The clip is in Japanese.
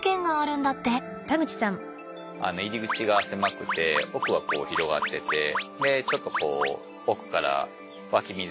入り口が狭くて奥はこう広がっててちょっとこう奥から湧き水があるっていうような。